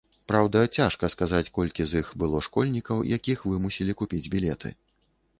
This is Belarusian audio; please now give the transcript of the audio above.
Праўда, цяжка сказаць колькі з іх было школьнікаў, якіх вымусілі купіць білеты.